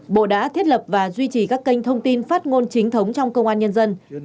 bộ đã thiết lập và duy trì các kênh thông tin phát ngôn chính thống trong công an nhân dân